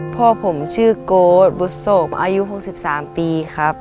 พ่อผมชื่อโก๊ดบุษบอายุ๖๓ปีครับ